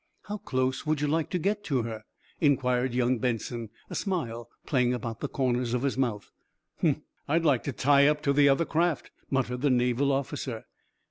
"How close would you like to get to her?" inquired young Benson, a smile playing about the corners of his mouth. "Humph! I'd like to tie up to the other craft," muttered the Naval officer.